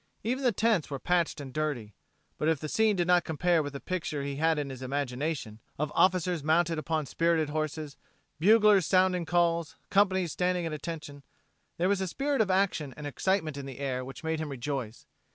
Even the tents were patched and dirty. But if the scene did not compare with the picture he had in his imagination of officers mounted upon spirited horses, buglers sounding calls, companies standing at attention there was a spirit of action and excitement in the air which made him rejoice.